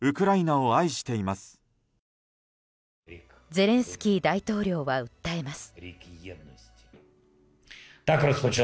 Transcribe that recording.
ゼレンスキー大統領は訴えます。